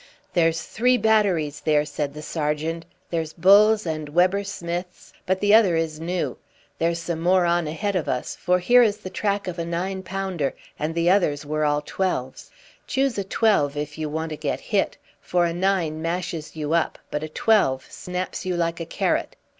"There's three batteries there," said the sergeant. "There's Bull's and Webber Smith's, but the other is new. There's some more on ahead of us, for here is the track of a nine pounder, and the others were all twelves. Choose a twelve if you want to get hit; for a nine mashes you up, but a twelve snaps you like a carrot."